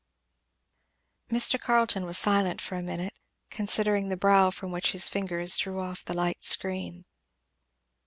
Mr. Carleton was silent for a minute, considering the brow from which his fingers drew off the light screen.